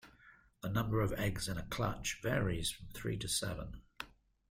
The number of eggs in a clutch varies from three to seven.